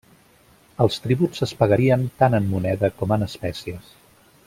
Els tributs es pagarien tant en moneda com en espècies.